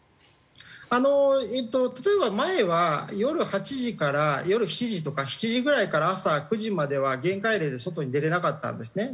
あの例えば前は夜８時から夜７時とか７時ぐらいから朝９時までは戒厳令で外に出れなかったんですね。